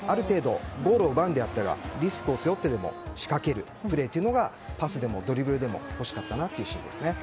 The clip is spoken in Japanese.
ボールを奪うのであればリスクを背負ってでも仕掛けるパスでもドリブルでも欲しかったなというシーンでした。